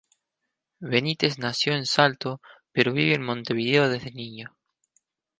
Benítez nació en Salto pero vive en Montevideo desde niño.